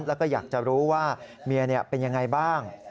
แล้วก็อยากจะรู้ว่าเมียเป็นยังไงบ้าง